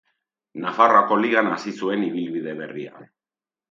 Nafarroako Ligan hasi zuen ibilbide berria.